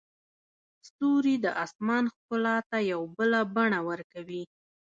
ستوري د اسمان ښکلا ته یو بله بڼه ورکوي.